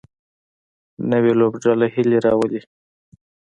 نوې لوبډله هیله راولي